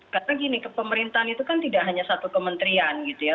karena gini kepemerintahan itu kan tidak hanya satu kementerian gitu ya